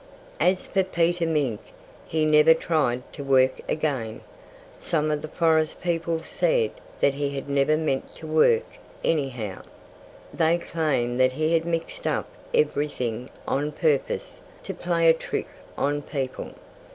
As for Peter Mink, he never tried to work again. Some of the forest people said that he had never meant to work, anyhow. They claimed that he had mixed up everything on purpose, to play a trick on people.